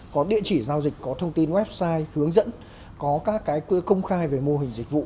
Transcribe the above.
có địa chỉ giao dịch có thông tin website hướng dẫn có các cái công khai về mô hình dịch vụ